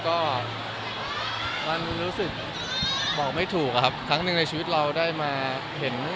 ก็มันรู้สึกบอกไม่ถูกอะครับครั้งหนึ่งในชีวิตเราได้มาเห็น